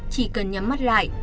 chỉ cần nhắm mắt lại